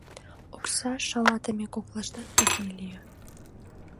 Окса шалатыме коклаштат тыге лие.